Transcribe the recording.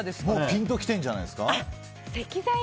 もうピンときてるんじゃないですか？